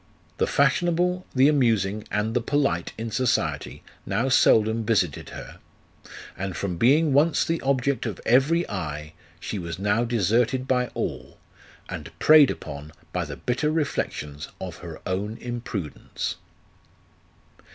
The fashionable, the amusing, and the polite in society now seldom visited her ; and from being once the object of every eye, she was now deserted by all, and preyed upon by the bitter reflections of her own imprudence.